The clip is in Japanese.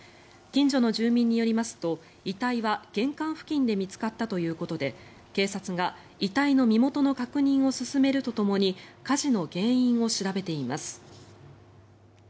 近所の住民によりますと遺体は玄関付近で見つかったということで警察が、遺体の身元の確認を進めるとともに火事の原因を調べています。